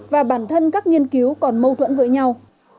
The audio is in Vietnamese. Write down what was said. và bản thân các nghiên cứu còn mâu thuẫn với nhau